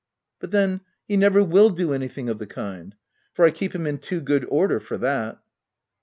But then he never will do anything of the kind ; for I keep him in too good order for that."